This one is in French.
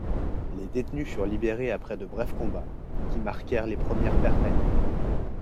Les détenus furent libérés après de brefs combats, qui marquèrent les premières pertes alliées.